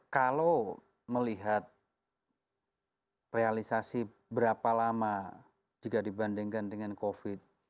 kalau melihat realisasi berapa lama jika dibandingkan dengan covid